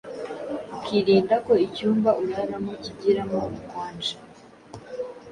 ukirinda ko icyumba uraramo kigeramo ubukonje